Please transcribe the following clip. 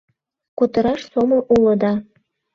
— Кутыраш сомыл уло да...